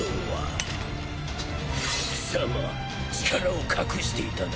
貴様力を隠していたな。